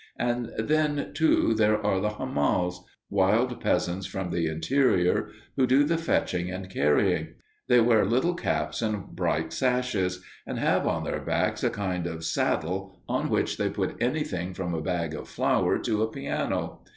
And then, too, there are the hamals wild peasants from the interior who do the fetching and carrying. They wear little caps and bright sashes, and have on their backs a kind of saddle on which they put anything from a bag of flour to a piano.